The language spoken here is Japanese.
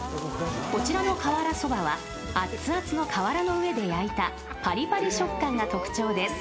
［こちらの瓦そばは熱々の瓦の上で焼いたパリパリ食感が特徴です］